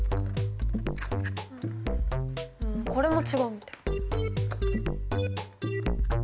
これも違うみたい。